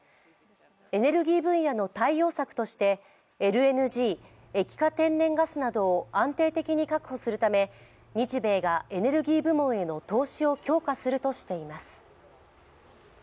エネルギー分野の対応策としてＬＮＧ＝液化天然ガスなどを安定的に確保するため日米がエネルギー部門への投資を強化するとしています。